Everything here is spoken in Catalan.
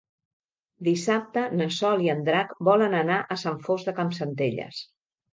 Dissabte na Sol i en Drac volen anar a Sant Fost de Campsentelles.